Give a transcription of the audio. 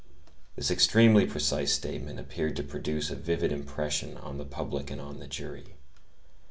'" This extremely precise statement appeared to produce a vivid impression on the public and on the jury.